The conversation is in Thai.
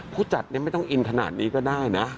ผู้จัดไม่ต้องอินขนาดนี้ก็ได้นะ